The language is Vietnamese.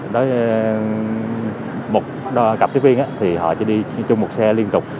đối với một cặp tiếp viên thì họ chỉ đi chung một xe liên tục